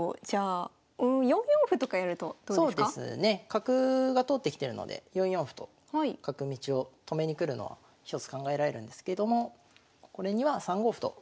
角が通ってきてるので４四歩と角道を止めに来るのは一つ考えられるんですけれどもこれには３五歩と。